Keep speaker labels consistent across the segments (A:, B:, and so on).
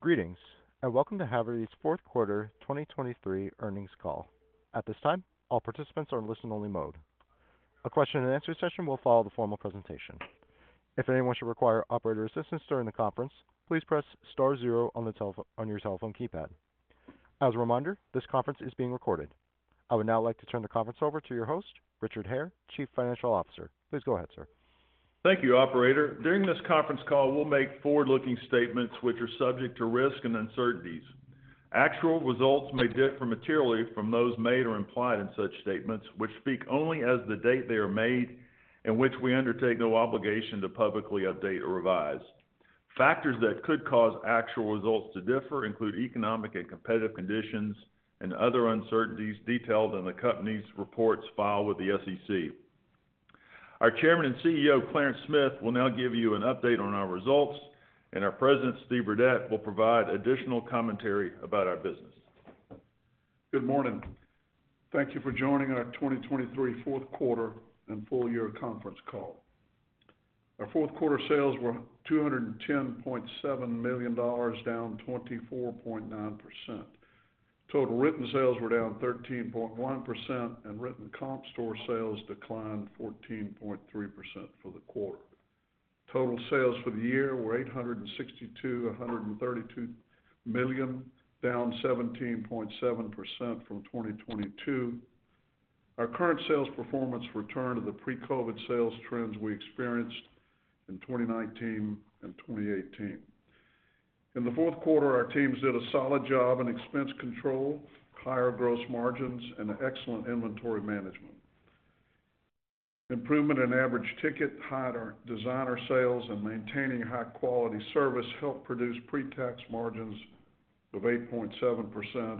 A: Greetings, and welcome to Havertys Fourth Quarter 2023 Earnings Call. At this time, all participants are in listen-only mode. A Q&A session will follow the formal presentation. If anyone should require operator assistance during the conference, please press star zero on the telephone on your telephone keypad. As a reminder, this conference is being recorded. I would now like to turn the conference over to your host, Richard Hare, Chief Financial Officer. Please go ahead, sir.
B: Thank you, Operator. During this conference call, we'll make forward-looking statements which are subject to risk and uncertainties. Actual results may differ materially from those made or implied in such statements, which speak only as the date they are made and which we undertake no obligation to publicly update or revise. Factors that could cause actual results to differ include economic and competitive conditions and other uncertainties detailed in the company's reports filed with the SEC. Our Chairman and CEO, Clarence Smith, will now give you an update on our results, and our President, Steve Burdette, will provide additional commentary about our business.
C: Good morning. Thank you for joining our 2023 fourth quarter and full year conference call. Our fourth quarter sales were $210.7 million, down 24.9%. Total written sales were down 13.1%, and written comp store sales declined 14.3% for the quarter. Total sales for the year were $862.132 million, down 17.7% from 2022. Our current sales performance returned to the pre-COVID sales trends we experienced in 2019 and 2018. In the fourth quarter, our teams did a solid job in expense control, higher gross margins, and excellent inventory management. Improvement in average ticket, higher designer sales, and maintaining high-quality service helped produce pre-tax margins of 8.7%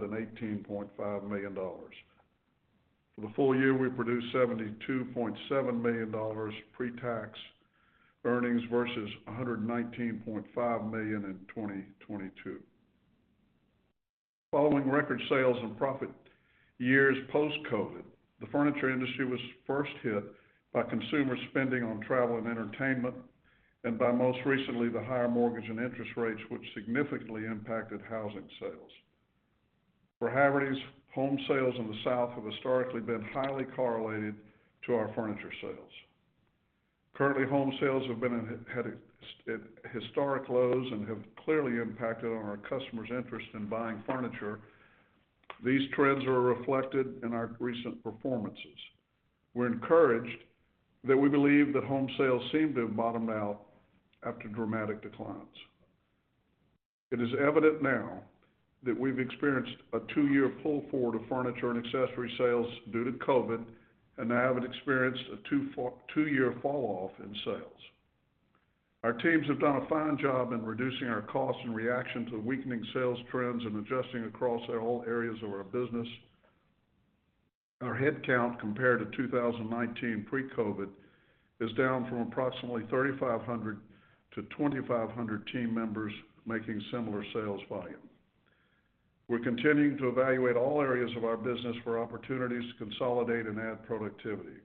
C: and $18.5 million. For the full year, we produced $72.7 million pre-tax earnings versus $119.5 million in 2022. Following record sales and profit years post-COVID, the furniture industry was first hit by consumer spending on travel and entertainment, and by most recently, the higher mortgage and interest rates, which significantly impacted housing sales. For Havertys, home sales in the South have historically been highly correlated to our furniture sales. Currently, home sales have been at historic lows and have clearly impacted on our customers' interest in buying furniture. These trends are reflected in our recent performances. We're encouraged that we believe that home sales seem to have bottomed out after dramatic declines. It is evident now that we've experienced a two year pull forward of furniture and accessory sales due to COVID, and now have experienced a two year falloff in sales. Our teams have done a fine job in reducing our costs in reaction to weakening sales trends and adjusting across all areas of our business. Our headcount compared to 2019 pre-COVID is down from approximately 3,500 to 2,500 team members making similar sales volume. We're continuing to evaluate all areas of our business for opportunities to consolidate and add productivity.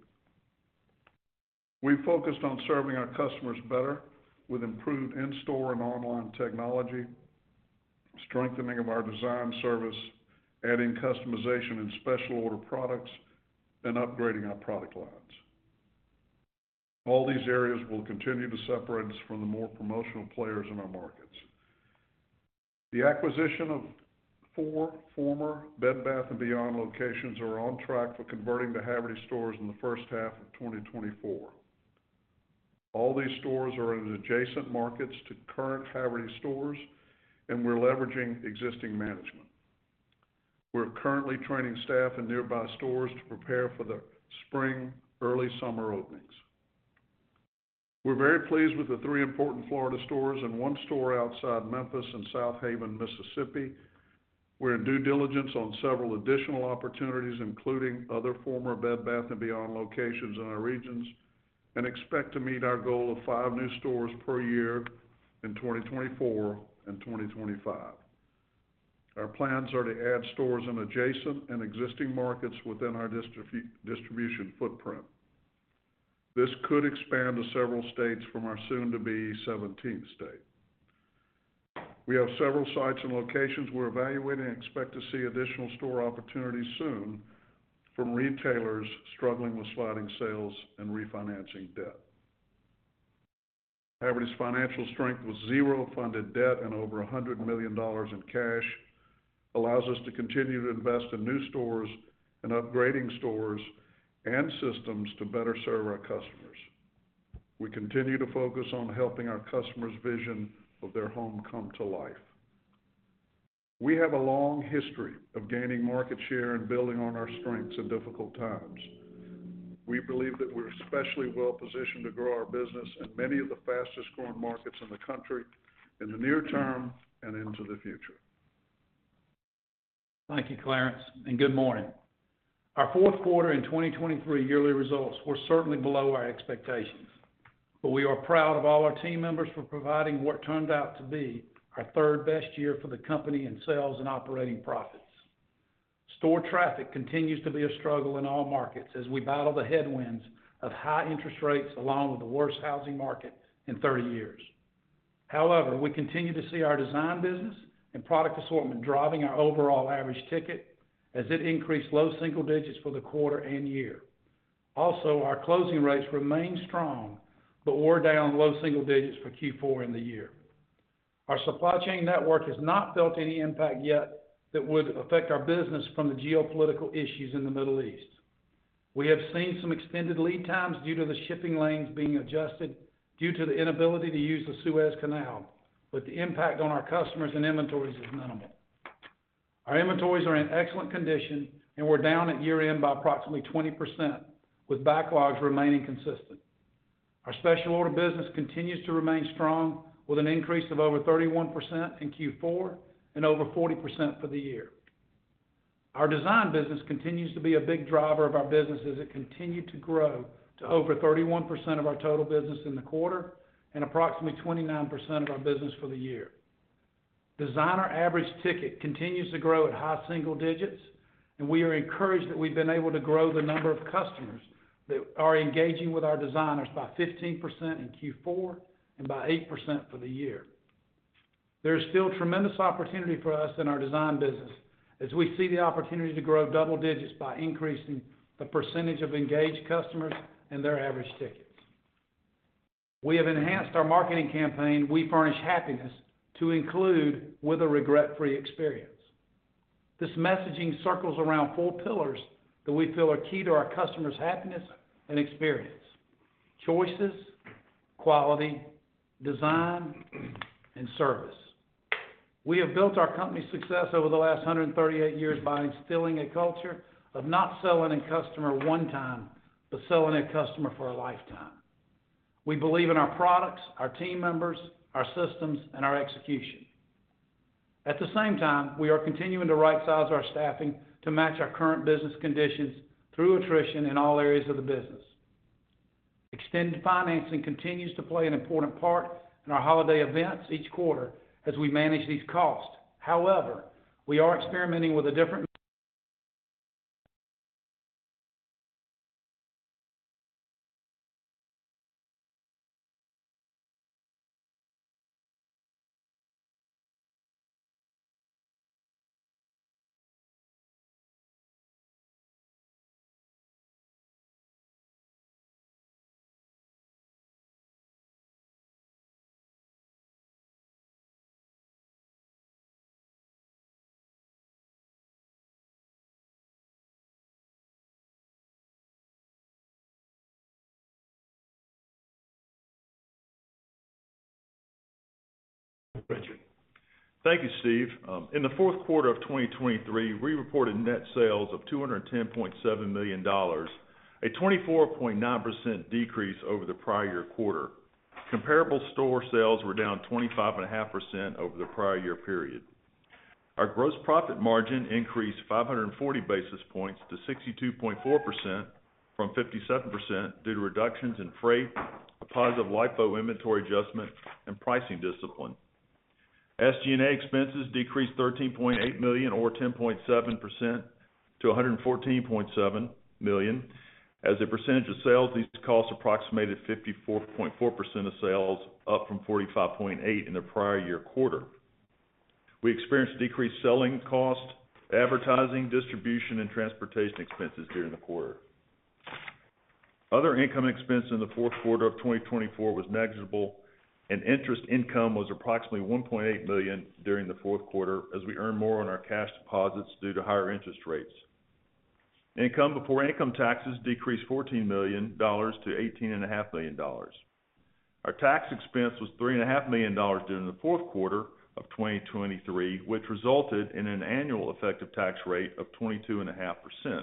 C: We've focused on serving our customers better with improved in-store and online technology, strengthening of our design service, adding customization and special order products, and upgrading our product lines. All these areas will continue to separate us from the more promotional players in our markets. The acquisition of four former Bed Bath & Beyond locations is on track for converting to Havertys stores in the first half of 2024. All these stores are in adjacent markets to current Havertys stores, and we're leveraging existing management. We're currently training staff in nearby stores to prepare for the spring/early summer openings. We're very pleased with the three important Florida stores and one store outside Memphis in Southaven, Mississippi. We're in due diligence on several additional opportunities, including other former Bed Bath & Beyond locations in our regions, and expect to meet our goal of five new stores per year in 2024 and 2025. Our plans are to add stores in adjacent and existing markets within our distribution footprint. This could expand to several states from our soon-to-be 17th state. We have several sites and locations we're evaluating and expect to see additional store opportunities soon from retailers struggling with sliding sales and refinancing debt. Havertys financial strength with zero funded debt and over $100 million in cash allows us to continue to invest in new stores and upgrading stores and systems to better serve our customers. We continue to focus on helping our customers' vision of their home come to life. We have a long history of gaining market share and building on our strengths in difficult times. We believe that we're especially well-positioned to grow our business in many of the fastest-growing markets in the country in the near term and into the future.
D: Thank you, Clarence, and good morning. Our fourth quarter in 2023 yearly results were certainly below our expectations, but we are proud of all our team members for providing what turned out to be our third best year for the company in sales and operating profits. Store traffic continues to be a struggle in all markets as we battle the headwinds of high interest rates along with the worst housing market in 30 years. However, we continue to see our design business and product assortment driving our overall average ticket as it increased low single digits for the quarter and year. Also, our closing rates remain strong, but we're down low single digits for Q4 in the year. Our supply chain network has not felt any impact yet that would affect our business from the geopolitical issues in the Middle East. We have seen some extended lead times due to the shipping lanes being adjusted due to the inability to use the Suez Canal, but the impact on our customers and inventories is minimal. Our inventories are in excellent condition, and we're down at year-end by approximately 20%, with backlogs remaining consistent. Our special order business continues to remain strong with an increase of over 31% in Q4 and over 40% for the year. Our design business continues to be a big driver of our business as it continued to grow to over 31% of our total business in the quarter and approximately 29% of our business for the year. Designer average ticket continues to grow at high single digits, and we are encouraged that we've been able to grow the number of customers that are engaging with our designers by 15% in Q4 and by 8% for the year. There is still tremendous opportunity for us in our design business as we see the opportunity to grow double digits by increasing the percentage of engaged customers and their average tickets. We have enhanced our marketing campaign, We Furnish Happiness, to include with a regret-free experience. This messaging circles around four pillars that we feel are key to our customers' happiness and experience: choices, quality, design, and service. We have built our company's success over the last 138 years by instilling a culture of not selling a customer one time, but selling a customer for a lifetime. We believe in our products, our team members, our systems, and our execution. At the same time, we are continuing to right-size our staffing to match our current business conditions through attrition in all areas of the business. Extended financing continues to play an important part in our holiday events each quarter as we manage these costs. However, we are experimenting with a different.
B: Richard, thank you, Steve. In the fourth quarter of 2023, we reported net sales of $210.7 million, a 24.9% decrease over the prior quarter. Comparable store sales were down 25.5% over the prior period. Our gross profit margin increased 540 basis points to 62.4% from 57% due to reductions in freight, a positive LIFO inventory adjustment, and pricing discipline. SG&A expenses decreased $13.8 million or 10.7% to $114.7 million. As a percentage of sales, these costs approximated 54.4% of sales, up from 45.8% in the prior year quarter. We experienced decreased selling cost, advertising, distribution, and transportation expenses during the quarter. Other income expense in the fourth quarter of 2024 was negligible, and interest income was approximately $1.8 million during the fourth quarter as we earned more on our cash deposits due to higher interest rates. Income before income taxes decreased $14 million to $18.5 million. Our tax expense was $3.5 million during the fourth quarter of 2023, which resulted in an annual effective tax rate of 22.5%.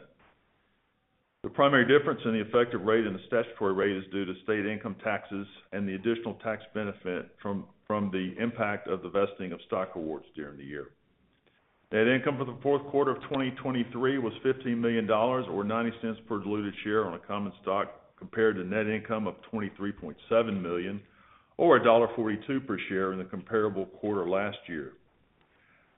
B: The primary difference in the effective rate and the statutory rate is due to state income taxes and the additional tax benefit from the impact of the vesting of stock awards during the year. Net income for the fourth quarter of 2023 was $15 million or $0.90 per diluted share on a common stock compared to net income of $23.7 million or $1.42 per share in the comparable quarter last year.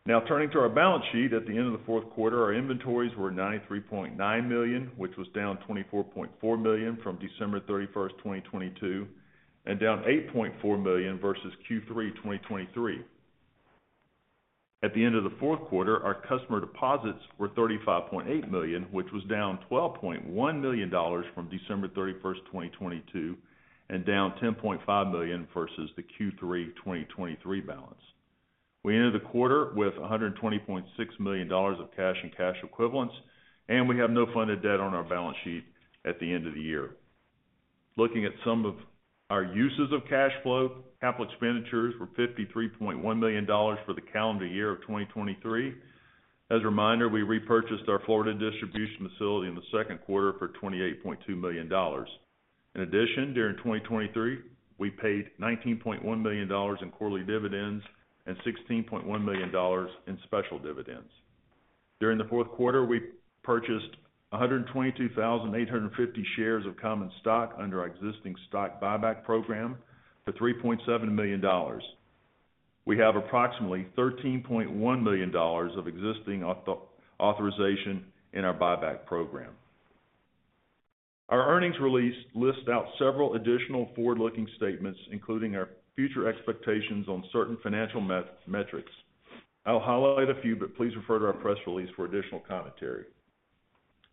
B: Now, turning to our balance sheet at the end of the fourth quarter, our inventories were $93.9 million, which was down $24.4 million from December 31st, 2022, and down $8.4 million versus Q3, 2023. At the end of the fourth quarter, our customer deposits were $35.8 million, which was down $12.1 million from December 31st, 2022, and down $10.5 million versus the Q3, 2023 balance. We ended the quarter with $120.6 million of cash and cash equivalents, and we have no funded debt on our balance sheet at the end of the year. Looking at some of our uses of cash flow, capital expenditures were $53.1 million for the calendar year of 2023. As a reminder, we repurchased our Florida distribution facility in the second quarter for $28.2 million. In addition, during 2023, we paid $19.1 million in quarterly dividends and $16.1 million in special dividends. During the fourth quarter, we purchased 122,850 shares of common stock under our existing stock buyback program for $3.7 million. We have approximately $13.1 million of existing authorization in our buyback program. Our earnings release lists out several additional forward-looking statements, including our future expectations on certain financial metrics. I'll highlight a few, but please refer to our press release for additional commentary.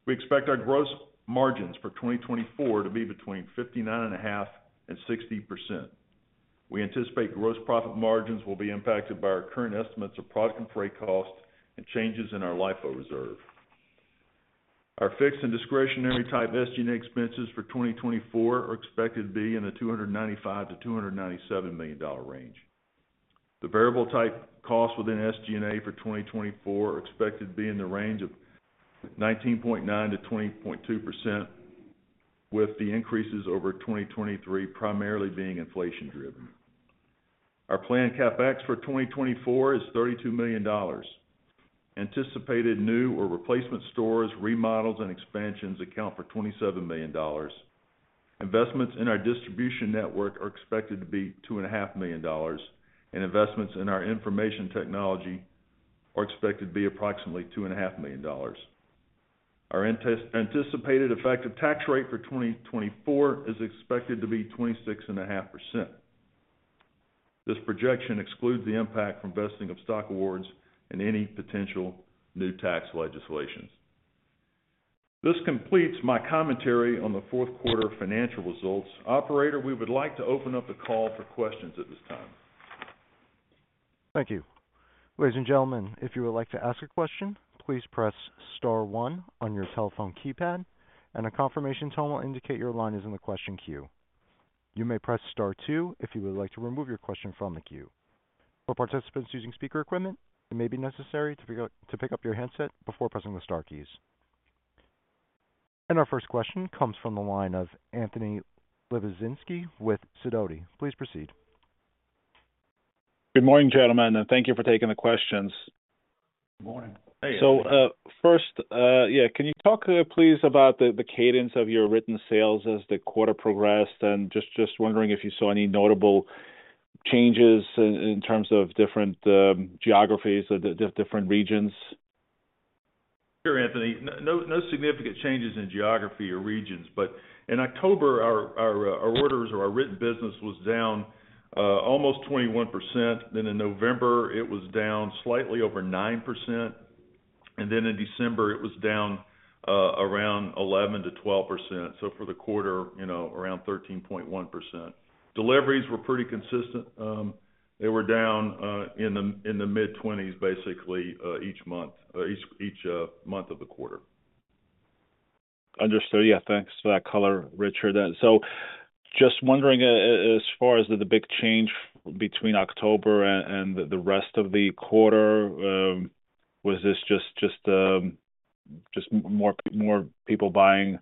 B: We expect our gross margins for 2024 to be between 59.5%-60%. We anticipate gross profit margins will be impacted by our current estimates of product and freight costs and changes in our LIFO reserve. Our fixed and discretionary type SG&A expenses for 2024 are expected to be in the $295 million-$297 million range. The variable type costs within SG&A for 2024 are expected to be in the range of 19.9%-20.2%, with the increases over 2023 primarily being inflation-driven. Our planned CapEx for 2024 is $32 million. Anticipated new or replacement stores, remodels, and expansions account for $27 million. Investments in our distribution network are expected to be $2.5 million, and investments in our information technology are expected to be approximately $2.5 million. Our anticipated effective tax rate for 2024 is expected to be 26.5%. This projection excludes the impact from vesting of stock awards and any potential new tax legislations. This completes my commentary on the fourth quarter financial results. Operator, we would like to open up the call for questions at this time.
A: Thank you. Ladies and gentlemen, if you would like to ask a question, please press star one on your telephone keypad, and a confirmation tone will indicate your line is in the question queue. You may press star two if you would like to remove your question from the queue. For participants using speaker equipment, it may be necessary to pick up your handset before pressing the star keys. Our first question comes from the line of Anthony Lebiedzinski with Sidoti. Please proceed.
B: Good morning, gentlemen, and thank you for taking the questions.
E: Good morning.
B: Hey, Anthony.
E: First, yeah, can you talk, please, about the cadence of your Written Sales as the quarter progressed? Just wondering if you saw any notable changes in terms of different geographies or different regions?
B: Sure, Anthony. No significant changes in geography or regions, but in October, our orders or our written business was down almost 21%. Then in November, it was down slightly over 9%. And then in December, it was down around 11%-12%. So for the quarter, around 13.1%. Deliveries were pretty consistent. They were down in the mid-20s, basically, each month of the quarter.
E: Understood. Yeah, thanks for that color, Richard. So just wondering, as far as the big change between October and the rest of the quarter, was this just more people buying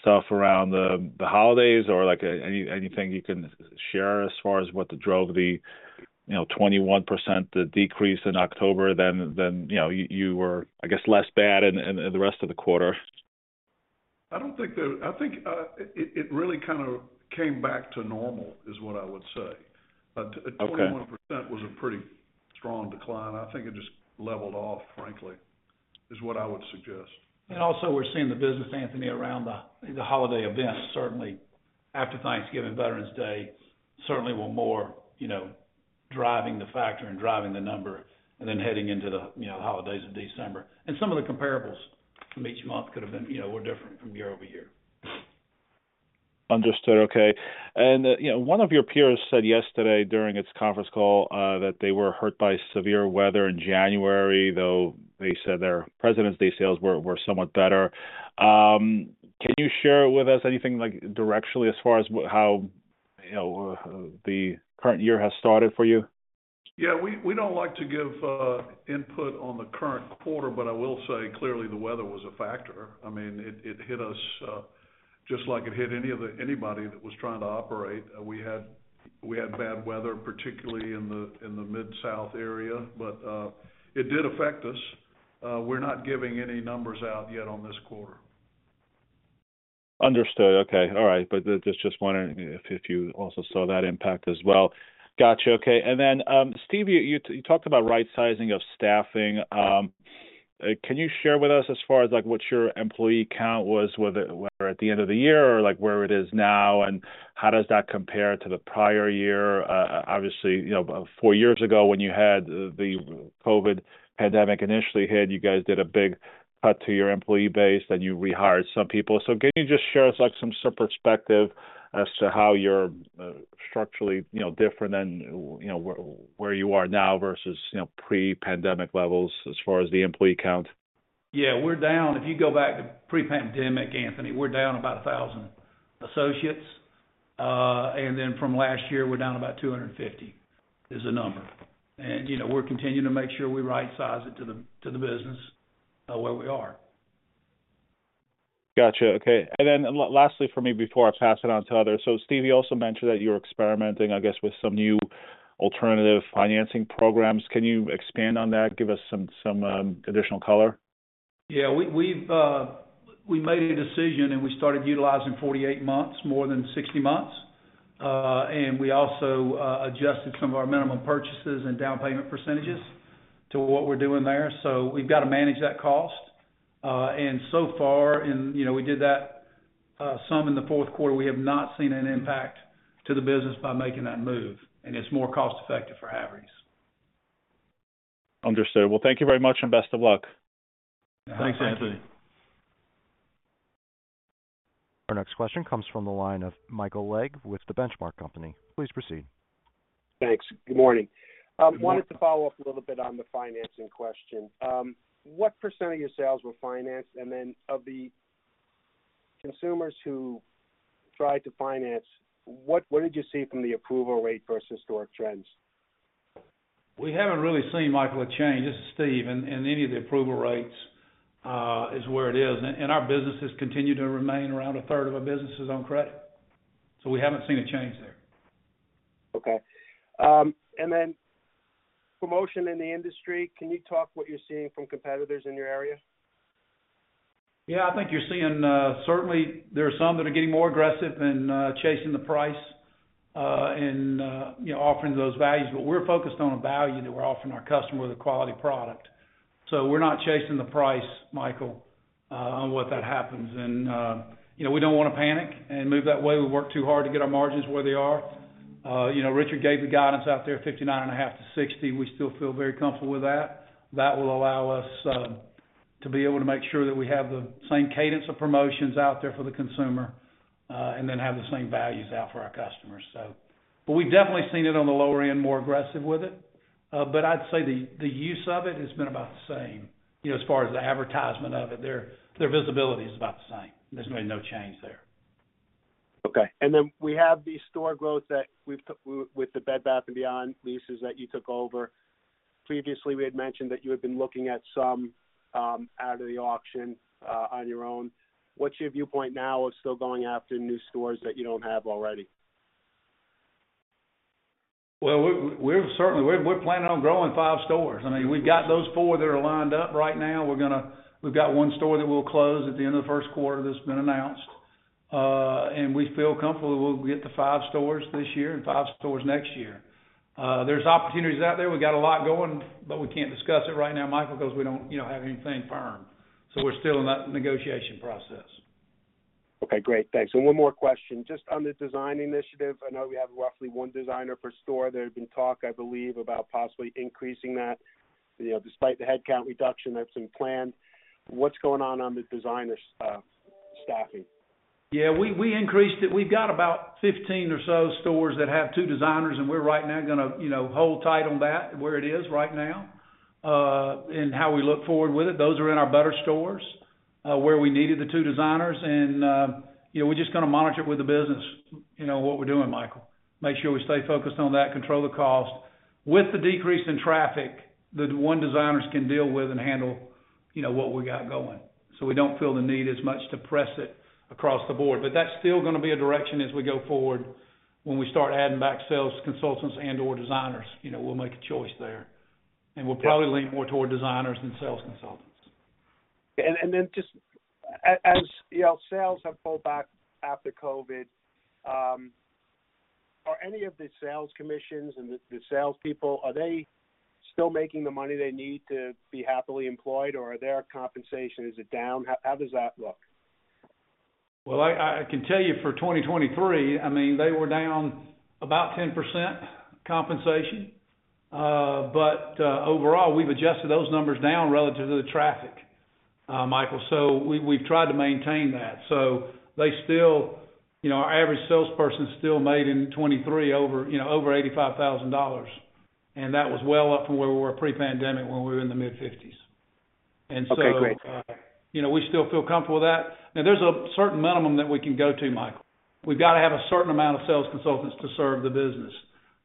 E: stuff around the holidays or anything you can share as far as what drove the 21% decrease in October than you were, I guess, less bad in the rest of the quarter?
B: I don't think. I think it really kind of came back to normal, is what I would say. 21% was a pretty strong decline. I think it just leveled off, frankly, is what I would suggest.
D: And also, we're seeing the business, Anthony, around the holiday events, certainly after Thanksgiving, Veterans Day, certainly were more driving the factor and driving the number and then heading into the holidays of December. And some of the comparables from each month could have been different from year-over-year.
E: Understood. Okay. And one of your peers said yesterday during its conference call that they were hurt by severe weather in January, though they said their Presidents' Day sales were somewhat better. Can you share with us anything directionally as far as how the current year has started for you?
B: Yeah, we don't like to give input on the current quarter, but I will say clearly the weather was a factor. I mean, it hit us just like it hit anybody that was trying to operate. We had bad weather, particularly in the Mid-South area, but it did affect us. We're not giving any numbers out yet on this quarter.
E: Understood. Okay. All right. But just wondering if you also saw that impact as well. Gotcha. Okay. And then, Steve, you talked about right-sizing of staffing. Can you share with us as far as what your employee count was, whether at the end of the year or where it is now, and how does that compare to the prior year? Obviously, four years ago, when you had the COVID pandemic initially hit, you guys did a big cut to your employee base, then you rehired some people. So can you just share us some perspective as to how you're structurally different than where you are now versus pre-pandemic levels as far as the employee count?
D: Yeah, we're down. If you go back to pre-pandemic, Anthony, we're down about 1,000 associates. And then from last year, we're down about 250 is a number. And we're continuing to make sure we right-size it to the business where we are.
E: Gotcha. Okay. And then lastly for me before I pass it on to others, so Steve also mentioned that you were experimenting, I guess, with some new alternative financing programs. Can you expand on that, give us some additional color?
D: Yeah, we made a decision, and we started utilizing 48 months, more than 60 months. And we also adjusted some of our minimum purchases and down payment percentages to what we're doing there. So we've got to manage that cost. And so far, and we did that some in the fourth quarter, we have not seen an impact to the business by making that move. And it's more cost-effective for Havertys.
E: Understood. Well, thank you very much and best of luck.
B: Thanks, Anthony.
A: Our next question comes from the line of Michael Legg with The Benchmark Company. Please proceed.
F: Thanks. Good morning. Wanted to follow up a little bit on the financing question. What % of your sales were financed? And then of the consumers who tried to finance, what did you see from the approval rate versus historic trends?
D: We haven't really seen much of a change. This is Steve. Any of the approval rates is where it is. Our business has continued to remain around a third of our business is on credit. We haven't seen a change there.
F: Okay. And then, promotions in the industry, can you talk what you're seeing from competitors in your area?
D: Yeah, I think you're seeing certainly, there are some that are getting more aggressive and chasing the price and offering those values. But we're focused on a value that we're offering our customer with a quality product. So we're not chasing the price, Michael, on what that happens. And we don't want to panic and move that way. We work too hard to get our margins where they are. Richard gave the guidance out there, 59.5%-60%. We still feel very comfortable with that. That will allow us to be able to make sure that we have the same cadence of promotions out there for the consumer and then have the same values out for our customers, so. But we've definitely seen it on the lower end more aggressive with it. I'd say the use of it has been about the same as far as the advertisement of it. Their visibility is about the same. There's really no change there.
F: Okay. Then we have the store growth with the Bed Bath & Beyond leases that you took over. Previously, we had mentioned that you had been looking at some out of the auction on your own. What's your viewpoint now of still going after new stores that you don't have already?
D: Well, certainly, we're planning on growing five stores. I mean, we've got those four that are lined up right now. We've got one store that we'll close at the end of the first quarter that's been announced. We feel comfortable that we'll get to five stores this year and five stores next year. There's opportunities out there. We got a lot going, but we can't discuss it right now, Michael, because we don't have anything firm. We're still in that negotiation process.
F: Okay. Great. Thanks. And one more question. Just on the design initiative, I know we have roughly one designer per store. There had been talk, I believe, about possibly increasing that despite the headcount reduction that's been planned. What's going on on the designer staffing?
D: Yeah, we increased it. We've got about 15 or so stores that have two designers, and we're right now going to hold tight on that where it is right now and how we look forward with it. Those are in our better stores where we needed the two designers. And we're just going to monitor it with the business, what we're doing, Michael, make sure we stay focused on that, control the cost. With the decrease in traffic, the one designer can deal with and handle what we got going. So we don't feel the need as much to press it across the board. But that's still going to be a direction as we go forward when we start adding back sales consultants and/or designers. We'll make a choice there. And we'll probably lean more toward designers than sales consultants.
F: And then just as sales have pulled back after COVID, are any of the sales commissions and the salespeople, are they still making the money they need to be happily employed, or are their compensation is it down? How does that look?
D: Well, I can tell you for 2023, I mean, they were down about 10% compensation. But overall, we've adjusted those numbers down relative to the traffic, Michael. So we've tried to maintain that. So our average salesperson still made in 2023 over $85,000. And that was well up from where we were pre-pandemic when we were in the mid-50s. And so we still feel comfortable with that. Now, there's a certain minimum that we can go to, Michael. We've got to have a certain amount of sales consultants to serve the business.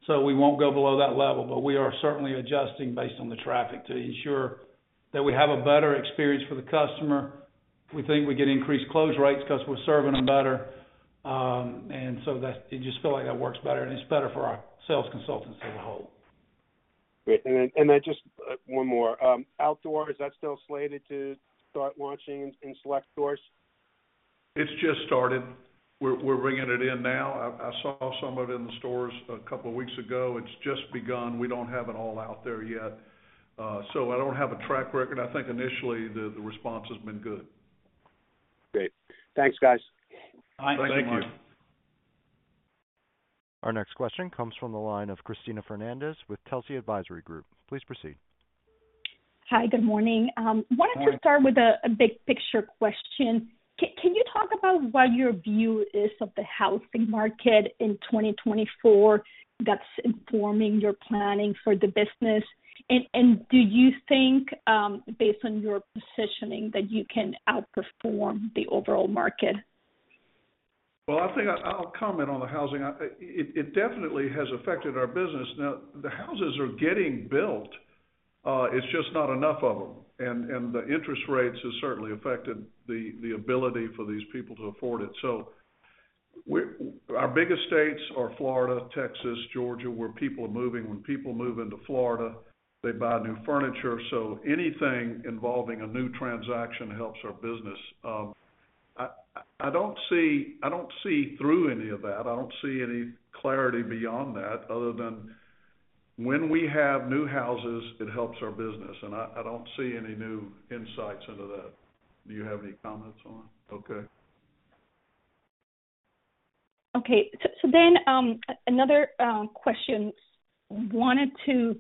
D: So we won't go below that level, but we are certainly adjusting based on the traffic to ensure that we have a better experience for the customer. We think we get increased close rates because we're serving them better. And so it just feels like that works better. And it's better for our sales consultants as a whole.
F: Great. Then just one more. Outdoors, is that still slated to start launching and select stores?
B: It's just started. We're bringing it in now. I saw some of it in the stores a couple of weeks ago. It's just begun. We don't have it all out there yet. So I don't have a track record. I think initially, the response has been good.
F: Great. Thanks, guys.
B: Thank you.
A: Thanks, everyone. Our next question comes from the line of Cristina Fernández with Telsey Advisory Group. Please proceed.
G: Hi. Good morning. Wanted to start with a big picture question. Can you talk about what your view is of the housing market in 2024 that's informing your planning for the business? And do you think, based on your positioning, that you can outperform the overall market?
B: Well, I think I'll comment on the housing. It definitely has affected our business. Now, the houses are getting built. It's just not enough of them. The interest rates have certainly affected the ability for these people to afford it. Our biggest states are Florida, Texas, Georgia, where people are moving. When people move into Florida, they buy new furniture. Anything involving a new transaction helps our business. I don't see through any of that. I don't see any clarity beyond that other than when we have new houses, it helps our business. I don't see any new insights into that. Do you have any comments on that? Okay.
G: Okay. So then another question. Wanted to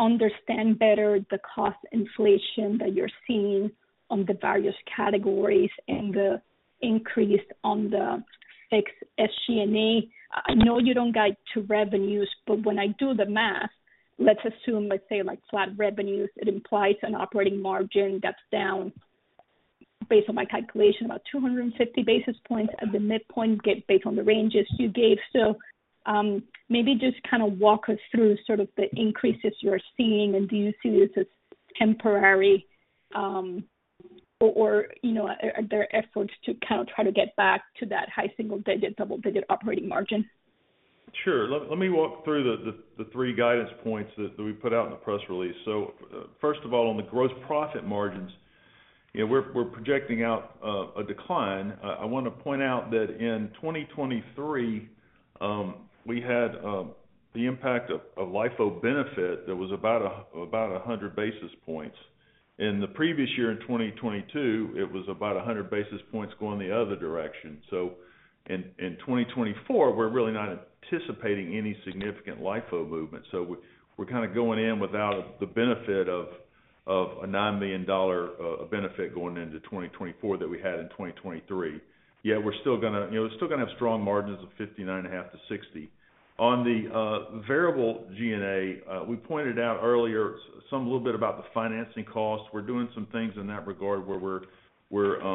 G: understand better the cost inflation that you're seeing on the various categories and the increase on the fixed SG&A. I know you don't get to revenues, but when I do the math, let's assume, let's say, flat revenues, it implies an operating margin that's down, based on my calculation, about 250 basis points at the midpoint, based on the ranges you gave. So maybe just kind of walk us through sort of the increases you're seeing. And do you see this as temporary, or are there efforts to kind of try to get back to that high single-digit, double-digit operating margin?
B: Sure. Let me walk through the three guidance points that we put out in the press release. So first of all, on the gross profit margins, we're projecting out a decline. I want to point out that in 2023, we had the impact of LIFO benefit that was about 100 basis points. In the previous year, in 2022, it was about 100 basis points going the other direction. So in 2024, we're really not anticipating any significant LIFO movement. So we're kind of going in without the benefit of a $9 million benefit going into 2024 that we had in 2023. Yet, we're still going to have strong margins of 59.5%-60%. On the variable G&A, we pointed out earlier a little bit about the financing cost. We're doing some things in that regard where we're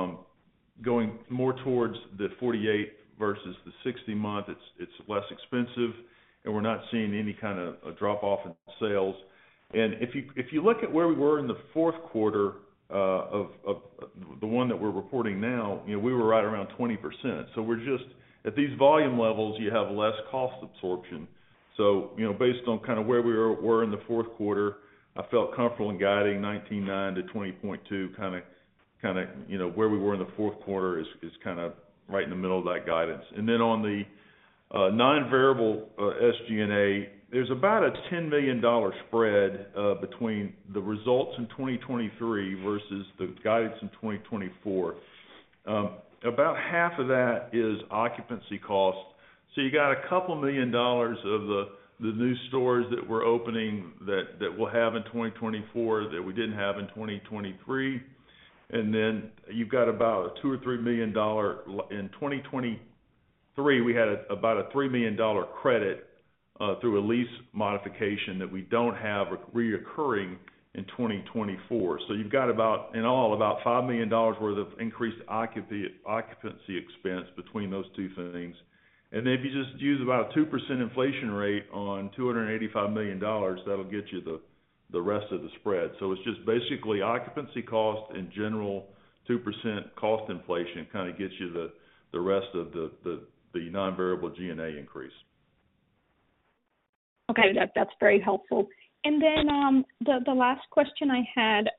B: going more towards the 48 versus the 60 month. It's less expensive, and we're not seeing any kind of a drop-off in sales. And if you look at where we were in the fourth quarter of the one that we're reporting now, we were right around 20%. So at these volume levels, you have less cost absorption. So based on kind of where we were in the fourth quarter, I felt comfortable in guiding 19.9%-20.2%, kind of where we were in the fourth quarter is kind of right in the middle of that guidance. And then on the non-variable SG&A, there's about a $10 million spread between the results in 2023 versus the guidance in 2024. About half of that is occupancy cost. So you got $2 million of the new stores that we're opening that we'll have in 2024 that we didn't have in 2023. Then you've got about a $2 million-$3 million in 2023. We had about a $3 million credit through a lease modification that we don't have recurring in 2024. You've got in all about $5 million worth of increased occupancy expense between those two things. Then if you just use about a 2% inflation rate on $285 million, that'll get you the rest of the spread. It's just basically occupancy cost in general, 2% cost inflation kind of gets you the rest of the non-variable G&A increase.
G: Okay. That's very helpful. And then the last question I had,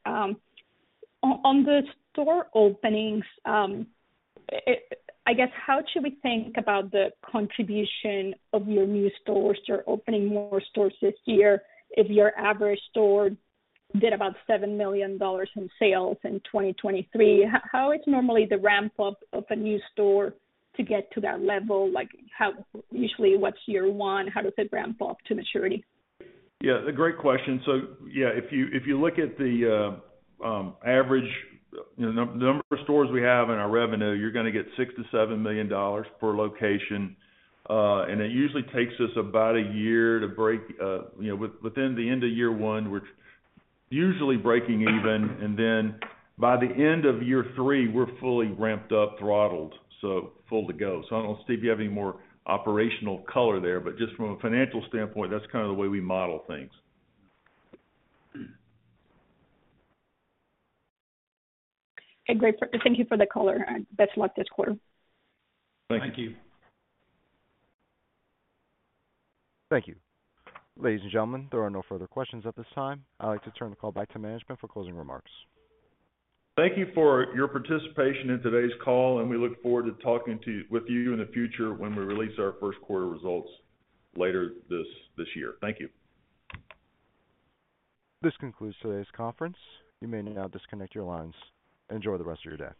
G: on the store openings, I guess, how should we think about the contribution of your new stores? You're opening more stores this year. If your average store did about $7 million in sales in 2023, how is normally the ramp-up of a new store to get to that level? Usually, what's year one? How does it ramp up to maturity?
B: Yeah, great question. So yeah, if you look at the average number of stores we have in our revenue, you're going to get $6 million-$7 million per location. And it usually takes us about a year to break within the end of year one, we're usually breaking even. And then by the end of year three, we're fully ramped up, throttled, so full to go. So I don't know, Steve, you have any more operational color there, but just from a financial standpoint, that's kind of the way we model things.
G: Okay. Great. Thank you for the color. Best luck this quarter.
B: Thank you.
E: Thank you.
A: Thank you. Ladies and gentlemen, there are no further questions at this time. I'd like to turn the call back to management for closing remarks.
B: Thank you for your participation in today's call, and we look forward to talking with you in the future when we release our first quarter results later this year. Thank you.
A: This concludes today's conference. You may now disconnect your lines. Enjoy the rest of your day.